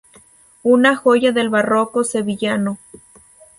Una joya del barroco sevillano.